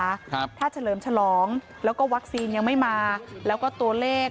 ครับถ้าเฉลิมฉลองแล้วก็วัคซีนยังไม่มาแล้วก็ตัวเลข